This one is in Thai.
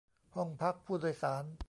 ห้องพักผู้โดยสาร